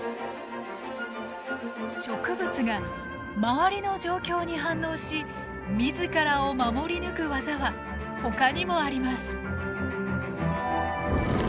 植物が周りの状況に反応し自らを守り抜く技はほかにもあります。